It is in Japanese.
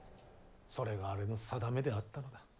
それがあれの宿命であったのだ。